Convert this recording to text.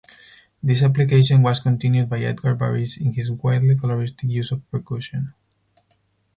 This application was continued by Edgard Varese in his wildly coloristic use of percussion.